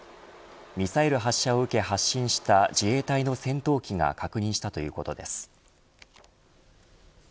ミサイル発射を受け発進した自衛隊の戦闘機が確認したということです。